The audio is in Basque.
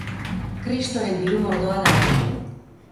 Kristoren diru mordoa da hori.